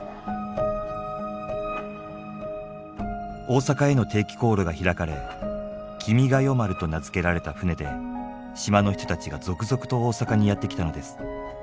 大阪への定期航路が開かれ「君が代丸」と名付けられた船で島の人たちが続々と大阪にやって来たのです。